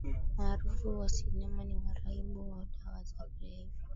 maarufu wa sinema ni waraibu wa dawa za kulevya